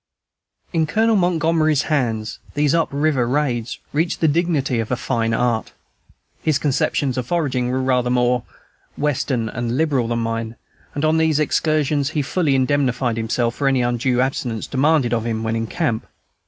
In Colonel Montgomery's hands these up river raids reached the dignity of a fine art. His conceptions of foraging were rather more Western and liberal than mine, and on these excursions he fully indemnified himself for any undue abstinence demanded of him when in camp.